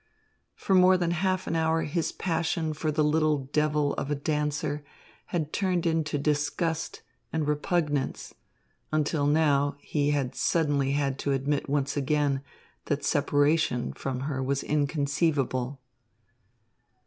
For more than half an hour his passion for the little devil of a dancer had turned into disgust and repugnance, until now he suddenly had to admit once again that separation from her was inconceivable.